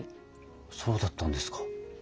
そうだったんですか。